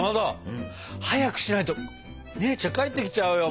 うん？早くしないと姉ちゃん帰ってきちゃうよ。